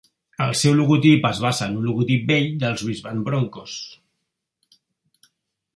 El seu logotip es basa en un logotip vell dels Brisbane Broncos.